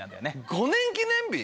５年記念日？